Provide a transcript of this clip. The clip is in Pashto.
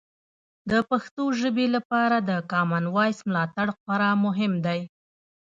د پښتو ژبې لپاره د کامن وایس ملاتړ خورا مهم دی.